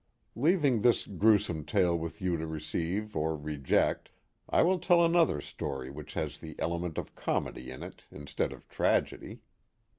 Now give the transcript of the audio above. Leaving this gruesome tale with you to receive or reject, I will tell another story which has the element of comedy in it instead of tragedy.